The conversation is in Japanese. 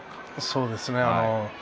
そうですね